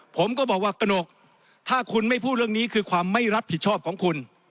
ผมก็บอกว่ากระหนกถ้าคุณไม่พูดเรื่องนี้คือความไม่รับผิดชอบของคุณ